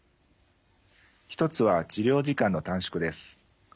一つは治療時間の短縮です。